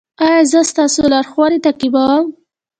ایا زه ستاسو لارښوونې تعقیبوم؟